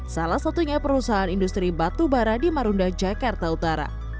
salah satunya perusahaan industri batubara di marunda jakarta utara